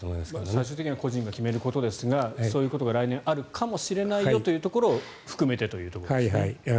最終的には個人が決めることですがそういうことが来年あるかもしれないよというところを含めてということですね。